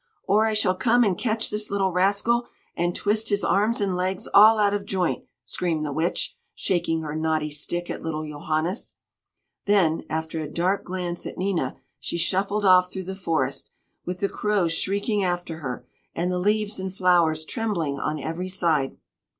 "Or I shall come and catch this little rascal, and twist his arms and legs all out of joint!" screamed the Witch, shaking her knotty stick at little Johannes. Then, after a dark glance at Nina, she shuffled off through the forest, with the crows shrieking after her, and the leaves and flowers trembling on every side.